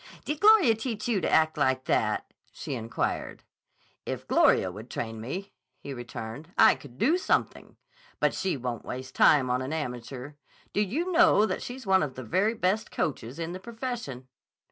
"Did Gloria teach you to act like that?" she inquired. "If Gloria would train me," he returned, "I could do something. But she won't waste time on an amateur. Do you know that she's one of the very best coaches in the profession?"